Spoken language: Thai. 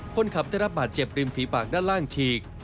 คนขับได้รับบาดเจ็บริมฝีปากด้านล่างฉีก